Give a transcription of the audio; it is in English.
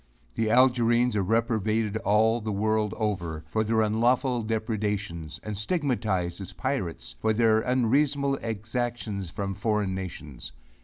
The Algerines are reprobated all the world over, for their unlawful depredations; and stigmatized as pirates, for their unreasonable exactions from foreign nations.